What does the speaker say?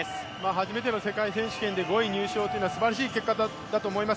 初めての世界選手権で５位入賞というのはすばらしい結果だと思います。